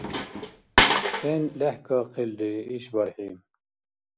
Сен лехӀкахъилри ишбархӀи?